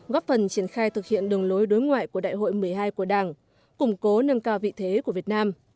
góp phần triển khai thực hiện đường lối đối ngoại của đại hội một mươi hai của đảng củng cố nâng cao vị thế của việt nam